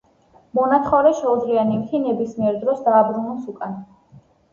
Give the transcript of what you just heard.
მონათხოვრეს შეუძლია ნივთი ნებისმიერ დროს დააბრუნოს უკან.